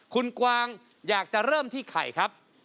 คุณกวางอยากจะเริ่มที่ไข่ครับ